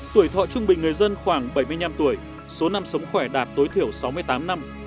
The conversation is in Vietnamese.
tuổi thọ trung bình người dân khoảng bảy mươi năm tuổi số năm sống khỏe đạt tối thiểu sáu mươi tám năm